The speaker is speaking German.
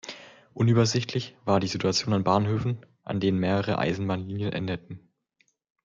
Unübersichtlich war die Situation an Bahnhöfen, an denen mehrere Eisenbahnlinien endeten.